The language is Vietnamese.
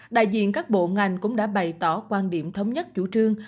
đại diện các bộ ngành cũng đã bày tỏ quan điểm thống nhất chủ trương